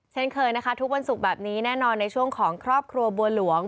เช่นเคยนะคะทุกวันศุกร์แบบนี้แน่นอนในช่วงของครอบครัวบัวหลวง